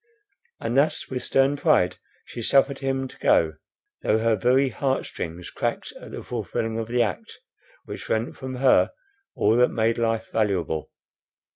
And thus with stern pride she suffered him to go, though her very heart strings cracked at the fulfilling of the act, which rent from her all that made life valuable.